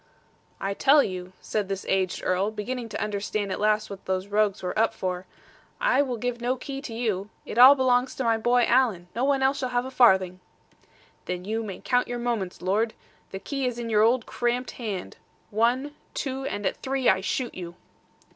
'I tell you,' said this aged Earl, beginning to understand at last what these rogues were up for; 'I will give no key to you. It all belongs to my boy, Alan. No one else shall have a farthing.' 'Then you may count your moments, lord. The key is in your old cramped hand. One, two, and at three, I shoot you.'